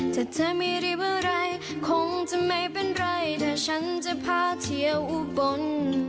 ถ้าเธอมีเรียบร้ายคงจะไม่เป็นไรแต่ฉันจะพาที่อุบล